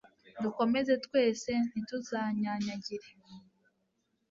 dukomeze twese ntituzanyanyagire